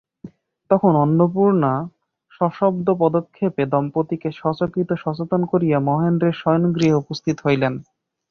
তখন অন্নপূর্ণা সশব্দপদক্ষেপে দম্পতিকে সচকিত সচেতন করিয়া মহেন্দ্রের শয়নগৃহে উপস্থিত হইলেন।